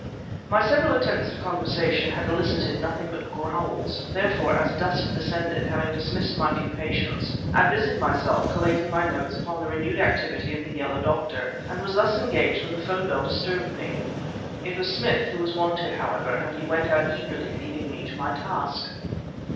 My several attempts at conversation had elicited nothing but growls; therefore, as dusk descended, having dismissed my few patients, I busied myself collating my notes upon the renewed activity of the Yellow Doctor, and was thus engaged when the 'phone bell disturbed me. It was Smith who was wanted, however; and he went out eagerly, leaving me to my task.